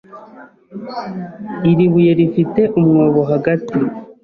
Iri buye rifite umwobo hagati.